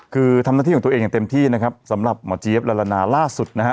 คือทำหน้าที่ของตัวเองอย่างเต็มที่นะครับสำหรับหมอเจี๊ยบละละนาล่าสุดนะฮะ